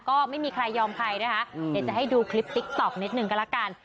ก็ไม่มีใครยอมใครนะคะเดี๋ยวจะให้ดูคลิปติ๊กต๊อกนิดหนึ่งก็แล้วกัน